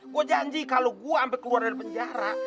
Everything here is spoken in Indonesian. gue janji kalau gue sampai keluar dari penjara